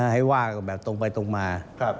ให้ว่ากันแบบตรงไปตรงมา